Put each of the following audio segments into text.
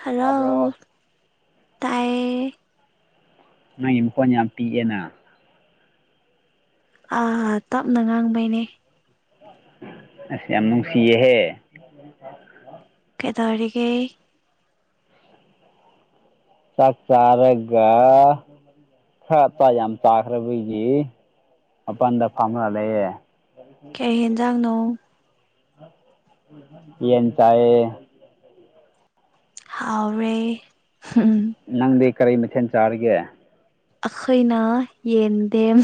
ꯍꯟꯂꯣ ꯇꯥꯕ꯭ꯔꯣ ꯇꯥꯏꯌꯦ ꯅꯪꯒꯤ ꯃꯈꯣꯟ ꯌꯥꯝ ꯄꯤꯛꯑꯦꯅ ꯑ ꯇꯞꯅ ꯉꯥꯡꯕꯩꯅꯦ ꯑꯁ ꯌꯥꯝ ꯅꯨꯡꯁꯤꯌꯦꯍꯦ [unintelligible] ꯀꯩꯗꯧꯔꯤꯒꯦ ꯆꯥꯛ ꯆꯥꯔꯒ ꯈꯞꯇꯥ ꯌꯥꯝ ꯆꯥꯈ꯭ꯔꯕꯒꯤ ꯃꯄꯥꯟꯗ ꯐꯝꯂ ꯂꯩꯌꯦ ꯀꯩ ꯍꯦꯟꯖꯥꯡꯅꯣ ꯌꯦꯟ ꯆꯥꯏꯌꯦ ꯍꯥꯎꯔꯦ ꯍꯨꯝꯎꯝ ꯅꯪꯗꯤ ꯀꯔꯤ ꯃꯊꯦꯜ ꯆꯥꯔꯤꯒꯦ ꯑꯩꯈꯣꯏꯅ ꯌꯦꯟꯗꯦꯝ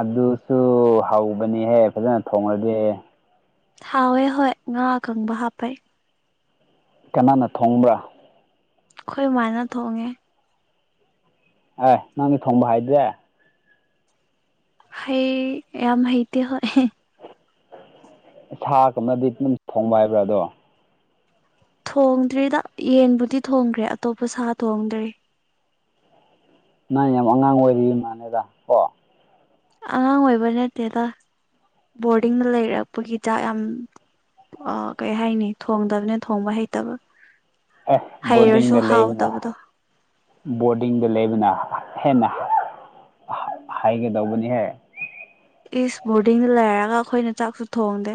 ꯑꯗꯨꯁꯨ ꯍꯥꯎꯒꯅꯤꯍꯦ ꯐꯖꯅ ꯊꯣꯡꯉꯗꯤ ꯍꯥꯎꯋꯦ ꯍꯣꯏ ꯉꯥ ꯑꯀꯪꯕ ꯍꯥꯞꯄꯩ ꯀꯅꯥꯅ ꯊꯣꯡꯕ꯭ꯔꯥ ꯑꯩꯈꯣꯏ ꯃꯥꯅ ꯊꯣꯡꯉꯦ ꯍꯥ ꯅꯪꯅ ꯊꯣꯡꯕ ꯍꯥꯥꯩꯗꯦ ꯍꯩ ꯌꯥꯝ ꯍꯩꯇꯦ ꯍꯣꯏ ꯁꯥꯒꯨꯝꯕꯗꯤ ꯑꯗꯨꯝ ꯊꯣꯡꯕ ꯍꯩꯕ꯭ꯔꯥ ꯑꯗꯣ ꯊꯣꯡꯗ꯭ꯔꯤꯗ ꯌꯦꯟꯕꯨꯗꯤ ꯊꯣꯡꯒ꯭ꯔꯦ ꯑꯇꯣꯞꯄ ꯁꯥ ꯊꯣꯡꯗ꯭ꯔꯤ ꯅꯪ ꯌꯥꯝ ꯑꯉꯥꯡ ꯑꯣꯏꯔꯤ ꯃꯥꯟꯅꯦꯗ ꯀꯣ ꯑꯉꯥꯡ ꯑꯣꯏꯕ ꯅꯠꯇꯦꯗ ꯕꯣꯔꯗꯤꯡꯗ ꯂꯩꯔꯛꯄꯒꯤ ꯆꯥꯛ ꯌꯥꯝ ꯑ ꯀꯩ ꯍꯥꯏꯅꯤ ꯊꯣꯡꯗꯕꯅ ꯊꯣꯡꯕ ꯍꯩꯇꯕ ꯑꯦ ꯕꯣꯔꯗꯤꯡꯗ ꯍꯩꯔꯁꯨ ꯂꯩꯕꯅ ꯍꯥꯎꯇꯕꯗꯣ ꯕꯣꯔꯗꯤꯡꯗ ꯂꯩꯕꯅ ꯍꯦꯟꯅ ꯍ-ꯍꯩꯒꯗꯧꯕꯅꯦ ꯏꯁ ꯕꯣꯔꯗꯤꯡꯗ ꯂꯩꯔꯒ ꯑꯩꯈꯣꯏꯅ ꯆꯥꯛꯁꯨ ꯊꯣꯡꯗꯦ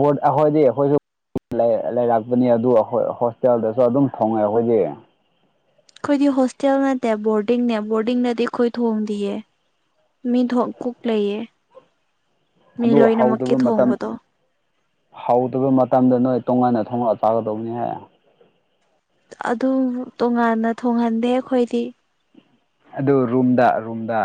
ꯕꯣꯔꯗ ꯑꯩꯈꯣꯏꯗꯤ ꯑꯩꯈꯣꯏꯁꯨ ꯂꯩ-ꯂꯩꯔꯛꯄꯅꯤ ꯑꯗꯨ ꯍꯣ-ꯍꯣꯁꯇꯦꯜꯗꯁꯨ ꯑꯗꯨꯝ ꯊꯣꯡꯉꯦ ꯑꯩꯈꯣꯏꯗꯤ ꯑꯩꯈꯣꯏꯗꯤ ꯍꯣꯁꯇꯦꯜ ꯅꯠꯇꯦ ꯕꯣꯔꯗꯤꯡꯅꯦ ꯕꯣꯔꯗꯤꯡꯅꯗꯤ ꯑꯩꯈꯣꯏ ꯊꯣꯡꯗꯤꯌꯦ ꯃꯤ ꯊꯣ ꯀꯨꯛ ꯂꯩꯌꯦ ꯃꯤ ꯑꯗꯨ ꯂꯣꯏꯅꯃꯛꯀꯤ ꯍꯧꯗꯕ ꯃꯇꯝ ꯊꯣꯡꯕꯗꯣ ꯍꯧꯗꯕ ꯃꯇꯝꯗ ꯅꯣꯏ ꯇꯣꯉꯥꯟꯅ ꯊꯣꯡꯉꯒ ꯆꯥꯒꯗꯧꯕꯅꯤ ꯍꯦ ꯑꯗꯨꯝ ꯇꯣꯉꯥꯟꯅ ꯊꯣꯡꯍꯟꯗꯦ ꯑꯩꯈꯣꯏꯗꯤ ꯑꯗꯨ ꯔꯨꯝꯗ ꯔꯨꯝꯗ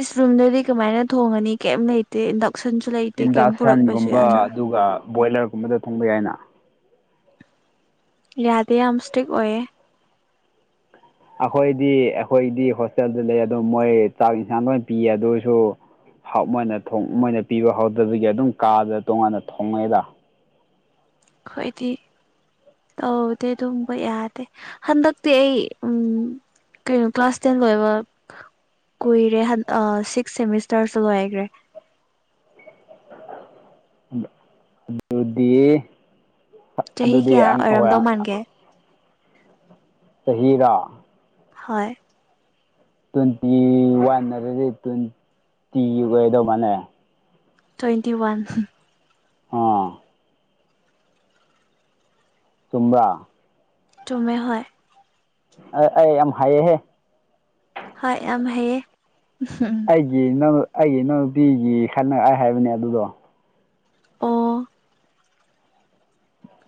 ꯏꯁ ꯔꯨꯝꯗꯗꯤ ꯀꯃꯥꯏꯅ ꯊꯣꯡꯉꯅꯤ ꯀꯩꯝ ꯂꯩꯇꯦ ꯢꯟꯗꯛ ꯁꯨꯟꯁꯨ ꯂꯩ ꯏꯟꯗꯛꯁꯟꯒꯨꯝꯕ ꯑꯗꯨꯒ ꯕꯣꯏꯂꯔꯒꯨꯝꯕꯗ ꯊꯣꯡꯕ ꯌꯥꯏꯅ ꯌꯥꯗ ꯌꯥꯝꯁꯇꯦꯛ ꯑꯣꯏꯌꯦ ꯑꯩꯈꯣꯏꯗꯤ ꯑꯩꯈꯣꯏꯗꯤ ꯍꯣꯁꯇꯦꯜꯗ ꯂꯩ ꯑꯗꯨꯣ ꯃꯣꯏ ꯆꯥꯛ ꯏꯟꯁꯥꯡ ꯂꯣꯏ ꯄꯤꯌꯦ ꯑꯗꯨ ꯑꯣꯏꯁꯨ ꯃꯣꯏꯅ ꯃꯣꯏꯅ ꯄꯤꯕ ꯍꯧꯗꯕꯒꯤ ꯑꯗꯨꯝ ꯀꯥꯗ ꯇꯣꯡꯉꯥꯟꯅ ꯊꯣꯡꯉꯦꯗ ꯈꯣꯏꯗꯤ ꯇꯧꯗꯦ ꯑꯗꯨꯕ ꯌꯥꯗꯦ ꯍꯟꯗꯛꯇꯤ ꯑꯩ ꯎꯝ ꯀꯩꯅꯣ ꯀ꯭ꯂꯥꯁ ꯇꯦꯟ ꯂꯣꯏꯕ ꯀꯨꯏꯔꯦ ꯍꯟ ꯁꯤꯛꯁ ꯁꯦꯃꯤꯁꯇꯔꯁꯨ ꯂꯣꯏꯈ꯭ꯔꯦ ꯑ ꯑꯗꯨꯗꯤ ꯆꯍꯤ ꯑꯗꯨꯗꯤ ꯀꯌꯥ ꯑ ꯑꯣꯏꯔꯝꯗꯧ ꯑꯣꯏꯔꯥꯡ ꯃꯥꯟꯒꯦ ꯆꯍꯤꯔ ꯍꯣꯏ ꯇ꯭ꯋꯦꯟꯇꯤ ꯋꯥꯟꯅꯔꯗꯤ ꯇ꯭ꯋꯦꯟꯇꯤ ꯑꯣꯏꯗꯧ ꯃꯥꯜꯂꯦ ꯇ꯭ꯋꯦꯟꯇꯤ ꯋꯥꯟ ꯑꯥ ꯆꯨꯝꯕ꯭ꯔꯥ ꯆꯨꯝꯃꯦ ꯍꯣꯏ ꯑꯩ ꯌꯥꯝ ꯍꯥꯏꯌꯦꯍꯦ ꯍꯣꯏ ꯌꯥꯝ ꯍꯥꯏꯌꯦ ꯑꯩꯒꯤ ꯏꯅꯥꯎ ꯑꯩꯒꯤ ꯏꯅꯥꯎꯅꯨꯄꯤꯒꯤ ꯍꯟꯅꯔꯣꯏ ꯍꯥꯏꯕꯅꯦ ꯑꯗꯨꯗꯣ ꯑꯣ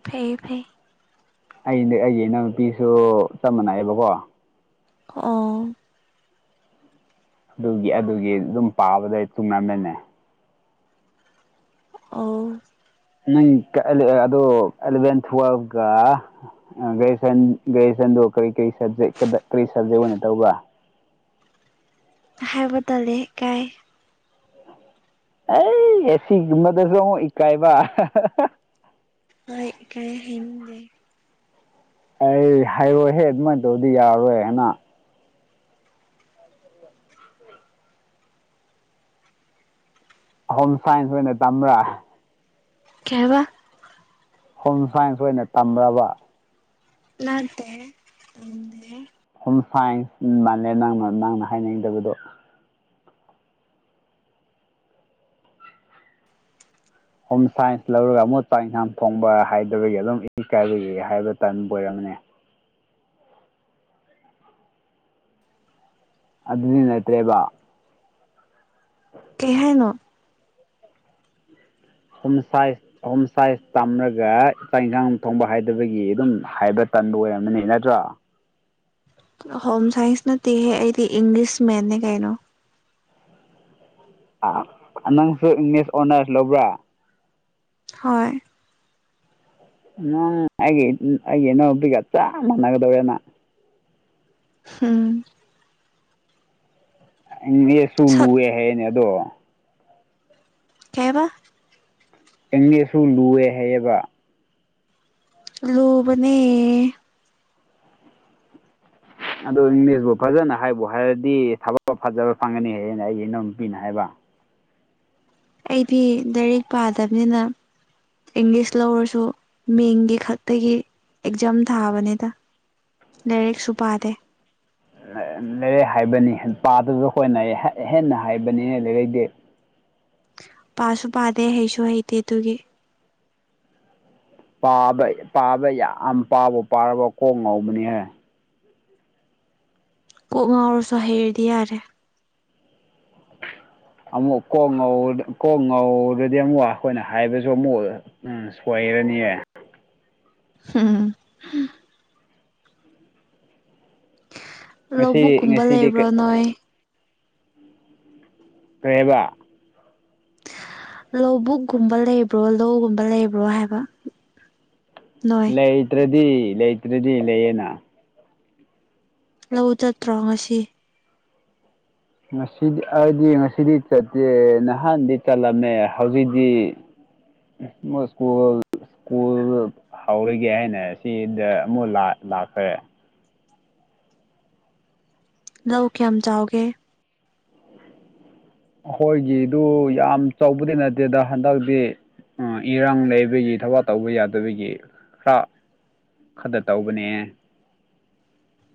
ꯐꯩ ꯐꯩ ꯑꯩꯅ ꯑꯩꯒꯤ ꯏꯅꯥꯎ ꯅꯨꯄꯤꯁꯨ ꯆꯞ ꯃꯥꯟꯅꯩꯑꯕꯀꯣ ꯑꯥ ꯑꯗꯨꯒꯤ ꯑꯗꯨꯒꯤ ꯑꯗꯨꯝ ꯄꯥꯕꯗ ꯇꯣꯔꯅꯥꯃꯦꯟꯅꯦ ꯑꯣ ꯅꯪ ꯑꯗꯨ ꯑꯦꯂꯚꯦꯟ ꯇꯨꯋꯦꯜꯕꯀ ꯒꯦꯖꯨꯁꯟ ꯒꯦꯖꯨꯁꯟꯗꯨ ꯀꯔꯤ ꯀꯔꯤ ꯀꯔꯤ ꯁꯕꯖꯦꯛ ꯑꯣꯏꯅ ꯇꯧꯕ ꯍꯥꯏꯕ ꯇꯜꯂꯦ ꯏꯀꯥꯏ ꯑꯩ ꯑꯦ ꯁꯤꯒꯨꯝꯕꯗꯁꯨ ꯑꯃꯨꯛ ꯏꯀꯥꯏꯕ ꯍꯣꯏ ꯏꯀꯥꯏ ꯍꯥꯏꯅꯤꯡꯗꯦ ꯑꯩ ꯍꯥꯏꯔꯣꯏꯍꯦ ꯑꯗꯨꯃꯥꯏꯅ ꯇꯧꯔꯗꯤ ꯌꯥꯔꯣꯏ ꯍꯥꯏꯅ ꯍꯣꯝ ꯁꯥꯏꯟꯁ ꯑꯣꯏꯅ ꯇꯝ꯭ꯕꯔꯥ ꯀꯩꯍꯥꯏꯕ ꯍꯣꯝ ꯁꯥꯏꯟꯁ ꯑꯣꯏꯅ ꯇꯝꯕ ꯂꯅꯥꯠꯇꯦꯗꯦ ꯍꯣꯝ ꯁꯥꯏꯟꯁ ꯃꯥꯜꯂꯦ ꯅꯪꯅ ꯅꯪꯅ ꯍꯥꯏꯅꯗꯕꯗꯣ ꯍꯣꯝ ꯁꯥꯏꯟꯁ ꯂꯧꯔꯒ ꯑꯃꯨꯛ ꯆꯥꯛ ꯏꯟꯁꯥꯡ ꯊꯣꯡꯕ ꯍꯥꯏꯗꯕꯒꯤ ꯑꯗꯨꯝ ꯏ ꯀꯥꯏꯕꯒꯤ ꯍꯥꯏꯕ ꯇ ꯑꯣꯏꯔꯝꯅꯦ ꯑꯗꯨꯅꯠꯇꯦꯕ ꯀꯩꯍꯥꯏꯅꯣ [unintelligible] ꯍꯣꯝ ꯁꯥꯏꯖ ꯇꯝꯂꯒ ꯆꯥꯛ ꯏꯟꯁꯥꯡ ꯊꯣꯡꯕ ꯍꯥꯏꯗꯕꯒꯤ ꯑꯗꯨꯝ ꯍꯥꯏꯕ ꯇꯟꯕ ꯑꯣꯏꯔꯝꯃꯅꯤ ꯅꯠꯇ꯭ꯔꯣ ꯍꯣꯝ ꯁꯥꯏꯟꯁ ꯅꯠꯇꯦꯍꯦ ꯑꯩꯗꯤ ꯏꯪꯂꯤꯁ ꯃꯦꯟꯅꯦ ꯀꯩꯅꯣ ꯅꯪꯁꯨ ꯏꯪꯂꯤꯁ ꯑꯣꯅꯔꯁ ꯂꯧꯕ꯭ꯔꯥ ꯍꯣꯏ ꯎ ꯑꯩꯒꯤ ꯑꯩꯒꯦꯅꯣꯕꯤꯒ ꯆ ꯃꯅꯥꯒꯗꯕꯦꯅ ꯎꯝ ꯃꯦꯠꯁꯁꯨ ꯁꯛ ꯂꯨꯌꯦ ꯍꯥꯏꯅꯦ ꯑꯗꯣ ꯀꯩꯍꯥꯏꯕ ꯑꯦꯡꯉꯦꯁꯨ ꯂꯨꯑꯦ ꯍꯥꯏꯌꯦꯕ ꯂꯨꯕꯅꯦ ꯑꯗꯨ ꯏꯪꯂꯤꯁꯄꯨ ꯐꯖꯅ ꯍꯩꯕꯨ ꯍꯩꯔꯗꯤ ꯊꯕꯛ ꯐꯖꯕ ꯐꯪꯒꯅꯤꯅ ꯑꯩꯒꯤ ꯏꯅꯥꯎ ꯅꯨꯄꯤꯅ ꯍꯥꯏꯕ ꯑꯩꯗꯤ ꯂꯩꯔꯤꯛ ꯄꯥꯗꯕꯅꯤꯅ ꯏꯪꯂꯤꯁ ꯂꯧꯔꯁꯨ ꯃꯤꯡꯒꯤ ꯈꯛꯇꯒꯤ ꯑꯦꯛꯖꯥꯝ ꯊꯥꯕꯅꯤꯗ ꯂꯥꯏꯔꯤꯛꯁꯨ ꯄꯥꯗꯦ ꯂꯩꯔꯤꯛ ꯍꯥꯏꯕꯅꯤ ꯄꯥꯗꯨꯕ ꯈꯣꯏꯅ ꯍꯦꯟꯅ ꯍꯥꯏꯕꯅꯤꯅꯦ ꯂꯩꯔꯤꯛꯗꯤ ꯄꯥꯁꯨ ꯄꯥꯗꯦ ꯍꯩꯁꯨ ꯍꯩꯇꯦ ꯑꯗꯨꯒꯤ ꯄꯥꯕ ꯄꯥꯕ ꯌꯥꯝ ꯄꯥꯕ ꯄꯥꯔꯕ ꯀꯣꯡ ꯉꯧꯕꯅꯤꯍꯦ ꯀꯣꯛ ꯉꯥꯎꯔꯁꯨ ꯍꯩꯔꯗꯤ ꯌꯥꯔꯦ ꯑꯃꯨꯛ ꯀꯣꯛ ꯉꯧ ꯀꯣꯛ ꯉꯧꯔꯗꯤ ꯑꯃꯨꯛ ꯑꯈꯣꯏꯅ ꯍꯥꯏꯕꯁꯨ ꯑꯃꯨꯛ ꯎꯝ ꯁꯋꯥꯏꯔꯅꯤꯌꯦ ꯎꯝ ꯉꯁꯤ ꯂꯧꯕꯨꯛꯀꯨꯝꯕ ꯉꯁꯤꯗꯤ ꯂꯩꯕ꯭ꯔꯣ ꯀꯔꯤ ꯅꯣꯏ ꯀꯩꯍꯥꯏꯕ ꯂꯧꯕꯨꯛꯒꯨꯝꯕ ꯂꯩꯕ꯭ꯔꯣ ꯂꯧꯒꯨꯝꯕ ꯂꯩꯕ꯭ꯔꯣ ꯍꯥꯏꯕ ꯅꯣꯏ ꯂꯩꯇ꯭ꯔꯗꯤ ꯂꯩꯇ꯭ꯔꯗꯤ ꯂꯩꯌꯦꯅ ꯂꯧ ꯆꯠꯇ꯭ꯔꯣ ꯉꯁꯤ ꯉꯁꯤꯗꯤ ꯑꯩꯗꯤ ꯉꯁꯤꯗꯤ ꯆꯠꯇꯦ ꯅꯍꯥꯟꯗꯤ ꯆꯠꯂꯝꯃꯦ ꯍꯧꯖꯤꯛꯇꯤ ꯎ ꯃꯣꯏ ꯀꯣꯜ ꯁ꯭ꯀꯨꯜ ꯍꯧꯔꯒꯦ ꯍꯥꯏꯅ ꯁꯤꯗ ꯑꯃꯨꯛ ꯂꯥ ꯂꯥꯛꯈ꯭ꯔꯦ ꯂꯧ ꯀꯌꯥꯝ ꯆꯥꯎꯒꯦ ꯑꯍꯣꯏꯒꯤꯗꯨ ꯌꯥꯝ ꯆꯥꯎꯕꯗꯤ ꯅꯠꯇꯦꯗ ꯍꯟꯗꯛꯇꯤ ꯑ ꯏꯔꯥꯡ ꯂꯩꯕꯒꯤ ꯊꯕꯛ ꯇꯧꯕ ꯌꯥꯗꯕꯒꯤ ꯈ꯭ꯔ ꯈꯗ ꯇꯧꯕꯅꯦ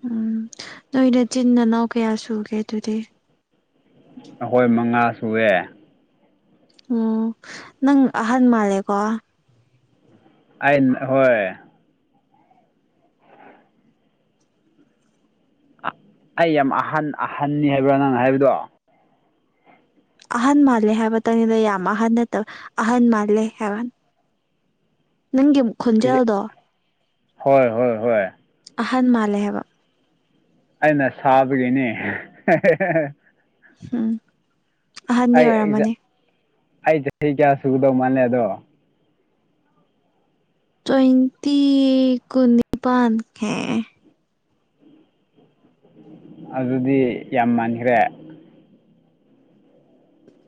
ꯎꯝ ꯅꯣꯏ ꯅꯆꯤꯟ ꯅꯅꯥꯎ ꯀꯌꯥ ꯁꯨꯒꯦ ꯑꯗꯨꯗꯤ ꯑꯍꯣꯏ ꯃꯉꯥ ꯁꯨꯑꯦ ꯎꯝ ꯅꯪ ꯑꯍꯟ ꯃꯥꯜꯂꯦꯀꯣ ꯑꯩꯅ ꯍꯣꯏ ꯑꯩ ꯌꯥꯝ ꯑꯍꯟ ꯑꯍꯟꯅꯤ ꯍꯥꯏꯕ꯭ꯔꯥ ꯅꯪ ꯍꯥꯏꯕꯗꯣ ꯑꯍꯟ ꯃꯥꯜꯂꯦ ꯍꯥꯏꯕꯇꯅꯤꯗ ꯌꯥꯝ ꯑꯍꯟ ꯅꯠꯇꯕ ꯑꯍꯟ ꯃꯥꯜꯂꯦ ꯍꯥꯏꯕ ꯅꯪꯒꯤ ꯈꯣꯟꯖꯦꯜꯗꯣ ꯍꯣꯏ ꯍꯣꯏ ꯍꯣꯏ ꯑꯍꯟ ꯃꯥꯜꯂꯦ ꯍꯥꯏꯕ ꯑꯩꯅ ꯁꯥꯕꯒꯤꯅꯦ ꯎꯝ ꯑꯍꯟꯗꯤ ꯑꯩ ꯑꯩ ꯑꯣꯏꯔꯝꯃꯅꯤ ꯑꯩ ꯆꯍꯤ ꯀꯌꯥ ꯁꯨꯒꯗꯧ ꯃꯥꯜꯂꯦ ꯑꯗꯣ ꯇ꯭ꯋꯦꯟꯇꯤ ꯀꯨꯟꯅꯤꯄꯥꯟ ꯑꯗꯨꯗꯤ ꯌꯥꯝ ꯃꯟꯈ꯭ꯔꯦ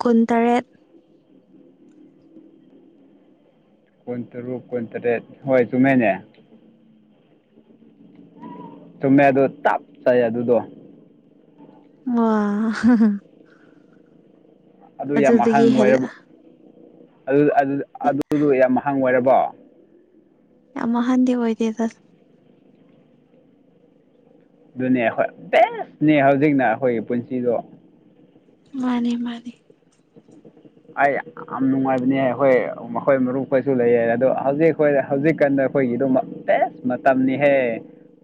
ꯀꯨꯟꯇꯔꯦꯠ ꯀꯨꯟ ꯇꯔꯨꯛ ꯀꯨꯟꯇꯔꯦꯠ ꯍꯣꯏ ꯆꯨꯝꯃꯦꯅꯦ ꯆꯨꯝꯃꯦ ꯑꯗꯣ ꯆꯞꯆꯥꯌꯦ ꯑꯗꯨꯗꯣ ꯋꯥ ꯑꯗꯨ ꯌꯥꯝ ꯑꯗꯨꯗꯒꯤ ꯑꯍꯪ ꯍꯦꯜꯂ ꯑꯣꯏꯔꯕ ꯑꯗꯨꯗ ꯑꯗꯨ ꯑꯗꯨꯗꯣ ꯌꯥꯝ ꯑꯍꯪ ꯑꯣꯏꯔꯕꯣ ꯌꯥꯝ ꯑꯍꯟꯗꯤ ꯑꯣꯏꯗꯦꯗ ꯑꯗꯨꯅꯦ ꯍꯣꯏ ꯕꯦꯁꯅꯦ ꯍꯧꯖꯤꯛꯅ ꯑꯍꯣꯏꯒꯤ ꯄꯨꯟꯁꯤꯗꯣ ꯃꯥꯅꯤ ꯃꯥꯅꯤ ꯑꯩ ꯌꯥꯝ ꯅꯨꯡꯉꯥꯏꯕꯅꯦ ꯍꯣꯏ ꯃꯈꯣꯏ ꯃꯔꯨꯞ ꯍꯣꯏꯁꯨ ꯂꯩꯌꯦ ꯑꯗꯣ ꯍꯧꯖꯤꯛ ꯑꯩꯈꯣꯏ ꯍꯧꯖꯤꯛꯀꯥꯟꯗ ꯑꯩꯈꯣꯏꯒꯤ ꯑꯗꯨꯝꯃ ꯕꯦꯁ ꯃꯇꯝꯅꯤꯍꯦ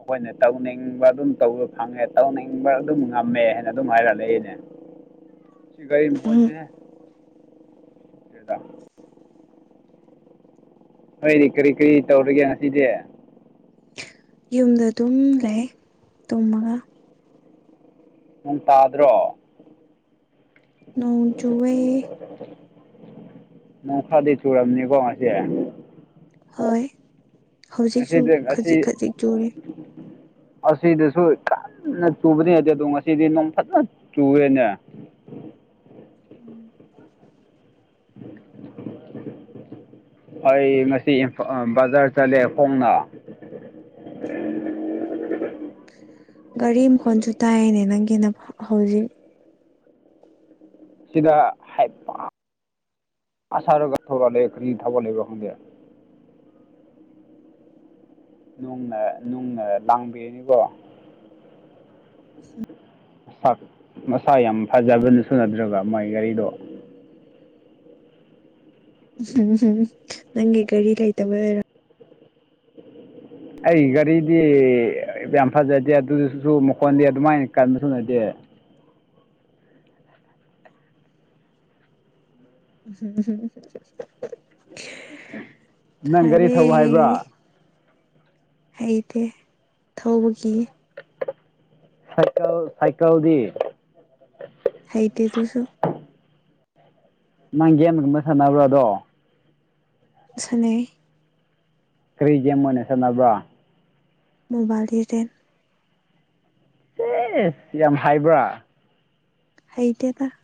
ꯈꯣꯏꯅ ꯇꯧꯅꯤꯡꯕ ꯑꯗꯨꯝ ꯇꯧꯕ ꯐꯪꯉꯦ ꯇꯧꯅꯤꯡꯕ ꯑꯗꯨꯝ ꯉꯝꯃꯦ ꯍꯥꯏꯅ ꯑꯗꯨꯝ ꯍꯥꯏꯔꯛ ꯂꯩꯌꯦꯅꯦ [inaudible] ꯁꯤ ꯒꯥꯔꯤ ꯎꯝ ꯃꯈꯣꯟꯁꯦꯍꯦ [unintelligible] ꯅꯣꯏꯗꯤ ꯀꯔꯤ ꯀꯔꯤ ꯇꯧꯔꯤꯒꯦ ꯉꯁꯤꯗꯤ ꯌꯨꯝꯗ ꯑꯗꯨꯝ ꯂꯩꯌꯦ ꯇꯨꯝꯃꯒ ꯅꯪ ꯇꯥꯗ꯭ꯔꯣ ꯅꯣꯡ ꯆꯨꯋꯦ ꯅꯣꯡ ꯈꯔꯗꯤ ꯆꯨꯔꯝꯅꯤꯀꯣ ꯉꯁꯤ ꯍꯣꯏ ꯍꯧꯖꯤꯛꯁꯨ ꯉꯁꯤꯗꯤ ꯉꯁꯤ ꯈꯖꯤꯛ ꯈꯖꯤꯛ ꯆꯨꯔꯤ ꯑꯁꯤꯗꯁꯨ ꯀꯟꯅ ꯆꯨꯕꯅꯤ ꯑꯗꯨꯗꯣ ꯉꯁꯤꯗꯤ ꯅꯣꯡ ꯐꯖꯅ ꯆꯨꯔꯦꯅꯦ ꯎꯝ ꯑꯩ ꯉꯁꯤ ꯏꯝꯐ ꯕꯖꯥꯔ ꯆꯠꯂꯦ ꯈꯣꯡꯅ ꯒꯥꯔꯤ ꯃꯈꯣꯜꯁꯨ ꯇꯥꯏꯅꯦ ꯅꯪꯒꯤꯅ ꯍꯧꯖꯤꯛ ꯁꯤꯗ ꯍꯥꯏ [unintelligible] ꯁꯥꯔꯒ ꯊꯧꯔꯛ ꯂꯦ ꯀꯔꯤ ꯊꯕꯛ ꯂꯩꯕ ꯈꯪꯗꯦ ꯅꯨꯡꯅ ꯅꯨꯡꯅ ꯂꯥꯡꯕꯤꯔꯅꯤꯀꯣ ꯁꯛ ꯃꯁꯥ ꯌꯥꯝ ꯐꯖꯕꯅꯁꯨꯨ ꯅꯠꯇ꯭ꯔꯒ ꯃꯥꯏ ꯒꯔꯤꯗꯣ [unintelligible] ꯅꯪꯒꯤ ꯀꯔꯤ ꯀꯩ ꯂꯩꯇꯕꯩꯔꯥ ꯑꯩꯒꯤ ꯒꯥꯔꯤꯗꯤ ꯌꯥꯝ ꯐꯖꯗꯦ ꯑꯗꯨꯁꯨ ꯃꯈꯣꯟꯗꯤ ꯑꯗꯨꯃꯥꯏꯅ ꯀꯟꯕꯁꯨ ꯅꯠꯇꯦ [unintelligible] ꯅꯪ ꯒꯥꯔꯤ ꯊꯧꯕ ꯍꯩꯕ꯭ꯔꯥ ꯐꯔꯦ ꯍꯩꯇꯦ ꯊꯧꯕꯒꯤ ꯁꯥꯏꯀꯜ ꯁꯥꯏꯀꯜꯗꯤ ꯍꯩꯇꯦꯗꯨꯁꯨ ꯅꯪ ꯒꯦꯝꯒꯨꯝꯕ ꯁꯥꯟꯅꯕ꯭ꯔꯥ ꯑꯗꯣ ꯁꯥꯟꯅꯩꯌꯦ ꯀꯔꯤ ꯒꯦꯝ ꯑꯣꯏꯅ ꯁꯥꯟꯅꯕ꯭ꯔꯥ ꯃꯣꯕꯥꯏꯜ ꯂꯤꯖꯦꯟ ꯑꯦ ꯌꯥꯝ ꯍꯥꯏꯕ꯭ꯔꯥ ꯍꯩꯇꯦꯗ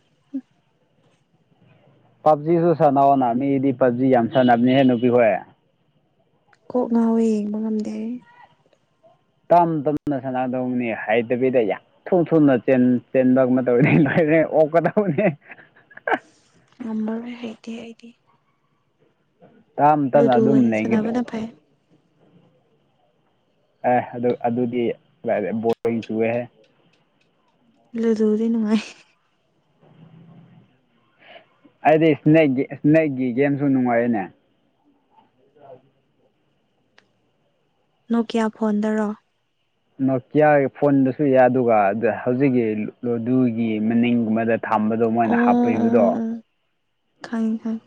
ꯄꯞꯖꯤꯁꯨ ꯁꯥꯟꯅꯧꯑꯣꯅ ꯃꯤꯗꯤ ꯄꯞꯖꯤ ꯌꯥꯝ ꯁꯥꯟꯅꯕꯅꯤꯍꯦ ꯅꯨꯄꯤ ꯍꯣꯏ ꯀꯣꯛ ꯉꯥꯎꯋ ꯌꯦꯡꯕ ꯉꯝꯗꯦ ꯇꯝ ꯇꯞꯅ ꯁꯥꯟꯅꯗꯧꯅꯤ ꯍꯥꯏꯗꯕꯤꯗ ꯌꯥꯝ ꯊꯨ ꯊꯨꯅ ꯆꯦꯟꯕ ꯇꯧꯅꯤ ꯂꯣꯏꯔ ꯑꯣꯛꯀꯗꯕꯅꯦ ꯅꯝꯕꯔ ꯍꯥꯏꯗꯤ ꯍꯥꯏꯗꯤ ꯇꯞꯝ ꯇꯅ ꯂꯨꯗꯣ ꯑꯗꯨꯝ ꯑꯣꯏꯅ ꯅꯈꯤꯗꯦ ꯁꯥꯟꯅꯕꯅ ꯐꯩ ꯑꯦ ꯑꯗꯨ ꯑꯗꯨꯗꯤ ꯕꯣꯔꯣꯏ ꯆꯨꯋꯦꯍꯦ ꯂꯗꯤ ꯅꯨꯡꯉꯥꯏ ꯑꯩꯗꯤ ꯏꯁ ꯏꯁꯅꯦꯛꯀꯤ ꯒꯦꯝꯁꯨ ꯅꯨꯡꯉꯥꯏꯔꯅꯦ [unintelligible] ꯅꯣꯀꯤꯌꯥ ꯐꯣꯟꯗꯔꯣ ꯅꯣꯀꯤꯌꯥ ꯐꯣꯟꯕꯗꯁꯨ ꯌꯥꯏ ꯑꯗꯨꯒ ꯍꯧꯖꯤꯛꯀꯤ ꯂꯣꯗꯨꯒꯤ ꯃꯅꯤꯡꯒꯨꯝꯕꯗ ꯊꯝꯕꯗꯣ ꯃꯣꯏꯅ ꯑꯣ ꯍꯥꯞꯄꯤꯕꯗꯣ ꯑꯣ ꯑꯣ ꯈꯪꯉꯦ ꯈꯪꯉꯦ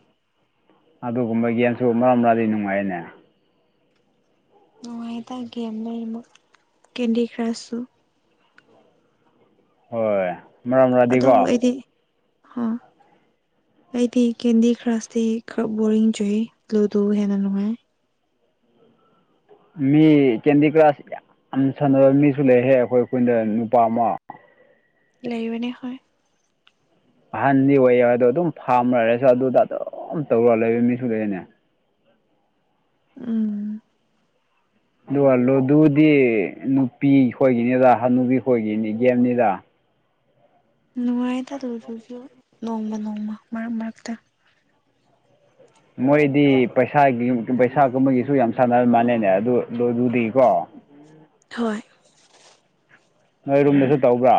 ꯑꯗꯨꯒꯨꯝꯕ ꯒꯦꯝꯁꯨ ꯃꯔꯛ ꯃꯔꯛꯗꯤ ꯅꯨꯡꯉꯥꯏꯅꯦ ꯅꯨꯡꯉꯥꯏꯌꯦꯗ ꯒꯦꯝ ꯂꯣꯏꯅꯃꯛ ꯀꯦꯟꯗꯤ ꯀ꯭ꯔꯥꯁꯁꯨ ꯍꯣꯏ ꯃꯔꯛ ꯃꯔꯛꯇꯗꯤꯀꯣ ꯑꯗꯨꯕꯨ ꯑꯩꯗꯤ ꯑ ꯑꯩꯗꯤ ꯀꯦꯟꯗꯤ ꯈ꯭ꯔꯥꯁꯇꯤ ꯈꯔ ꯕꯣꯔꯤꯡ ꯆꯨꯏ ꯂꯨꯗꯨ ꯍꯦꯟꯅ ꯅꯨꯡꯉꯥꯏ ꯃꯤ ꯀꯦꯟꯗꯤ ꯀ꯭ꯔꯥꯁ ꯌꯥꯝ ꯁꯥꯟꯅꯕ ꯃꯤꯁꯨ ꯂꯩꯍꯦ ꯑꯩꯈꯣꯏ ꯑꯩꯈꯣꯏꯅꯗ ꯅꯨꯄꯥ ꯑꯃ ꯂꯩꯕꯅꯦ ꯍ ꯑꯍꯟꯗꯤ ꯑꯣꯏꯌꯦ ꯍꯥꯏꯗꯣ ꯑꯗꯨꯝ ꯐꯥꯔꯝ ꯂꯩꯔꯁꯨ ꯑꯗꯨꯗ ꯑꯗꯨꯝ ꯇꯧꯔ ꯂꯩꯕ ꯃꯤꯁꯨ ꯂꯩꯅꯦ ꯎꯝ ꯑꯗꯨꯒ ꯂꯣꯗꯨꯗꯤ ꯅꯨꯄꯤ ꯈꯣꯏꯒꯤꯅꯤꯗ ꯍꯅꯨꯄꯤ ꯈꯣꯏꯒꯤꯅꯤ ꯒꯦꯝꯅꯤꯗ ꯅꯨꯡꯉꯥꯏꯇꯗꯗꯨꯁꯨ ꯅꯣꯡꯃ ꯅꯣꯡꯃ ꯃꯔꯛ ꯃꯔꯛꯇ ꯃꯣꯏꯗꯤ ꯄꯩꯁꯥꯒꯤ ꯄꯩꯁꯥꯒꯨꯝꯕꯒꯤꯁꯨ ꯌꯥꯝ ꯁꯥꯟꯅꯔ ꯃꯥꯜꯂꯦꯅꯦ ꯑꯗꯨ ꯑꯗꯨ ꯑꯗꯨꯗꯒꯤꯀꯣ ꯍꯣꯏ ꯅꯣꯏ ꯔꯨꯝꯗꯁꯨ ꯇꯧꯕ꯭ꯔꯥ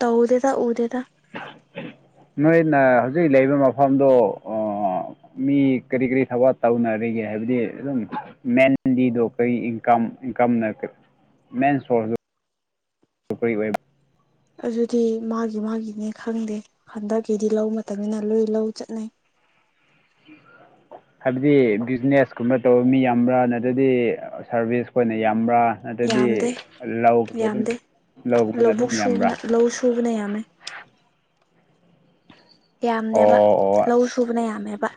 ꯇꯧꯗꯦꯗ ꯎꯗꯦꯗ ꯅꯣꯏꯅꯥ ꯍꯧꯖꯤꯛ ꯂꯩꯕ ꯃꯐꯝꯗꯣ ꯃꯤ ꯀꯔꯤ ꯀꯔꯤ ꯊꯕꯛ ꯇꯧꯅꯔꯤꯒꯦ ꯍꯥꯏꯕꯗꯤ ꯑꯗꯨꯝ ꯃꯦꯟꯗꯤꯗꯣ ꯀꯔꯤ ꯏꯟꯀꯝ ꯏꯟꯀꯝꯅ ꯃꯦꯟ ꯁꯣꯔꯁꯇꯣ ꯈ ꯑꯣꯏ ꯑꯗꯨꯗꯤ ꯃꯥꯒꯤ ꯃꯥꯒꯤꯅꯤ ꯈꯪꯗꯦ ꯍꯟꯗꯛꯀꯤꯗꯤ ꯂꯧ ꯃꯇꯝꯅꯤꯅ ꯂꯣꯏ ꯂꯧ ꯆꯠꯅꯩ [unintelligible] ꯍꯥꯏꯕꯗꯤ ꯕꯤꯖꯤꯅꯦꯁꯀꯨꯝꯕ ꯇꯧꯕ ꯃꯤ ꯌꯥꯝꯕ꯭ꯔꯥ ꯅꯠꯇ꯭ꯔꯗꯤ ꯁꯥꯔꯚꯤꯁ ꯀ ꯑꯣꯏꯅ ꯌꯥꯝꯕ꯭ꯔꯥ ꯑꯗꯨꯗꯤ ꯌꯥꯝꯗꯦ ꯂꯧꯒꯨꯝꯕ ꯑꯗꯨꯝ ꯌꯥꯝꯗꯦ ꯂꯧꯒꯨꯝꯕꯅ ꯑꯗꯨꯝ ꯌꯥꯝꯕ꯭ꯔꯥ ꯈꯨꯕꯅꯦꯥ ꯃ ꯌꯥꯝꯅꯦꯕ ꯑꯣ ꯑꯣ ꯂꯧ ꯁꯨꯕꯅ ꯌꯥꯝꯃꯦꯕ